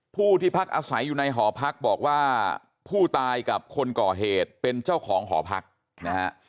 ผู้ที่พักอาศัยอยู่ในหอพักบอกว่าผู้ตายกับคนก่อเหตุเป็นเจ้าของหอพักนะฮะ